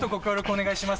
お願いします